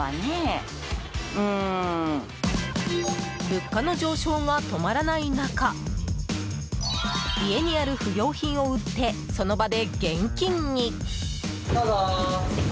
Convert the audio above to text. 物価の上昇が止まらない中家にある不用品を売ってその場で現金に。